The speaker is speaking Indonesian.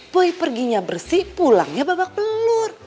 boy perginya bersih pulangnya babak belur